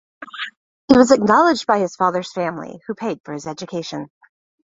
He was acknowledged by his father's family, who paid for his education.